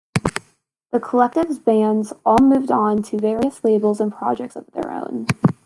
The collective's bands all moved on to various labels and projects of their own.